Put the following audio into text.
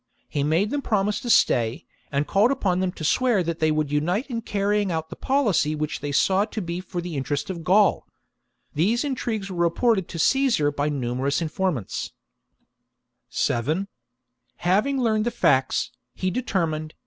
He made them promise to stay, and called upon them to swear that they would unite in carrying out the policy which they saw to be for the interest of GauU These intrigues were reported to Caesar by numerous informants, wefther ^ 7 Having learned the facts, he determined, bound.